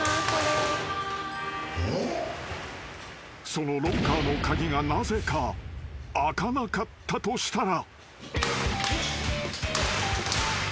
［そのロッカーの鍵がなぜか開かなかったとしたら］